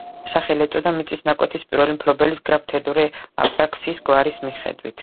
სახელი ეწოდა მიწის ნაკვეთის პირველი მფლობელის გრაფ თედორე აპრაქსინის გვარის მიხედვით.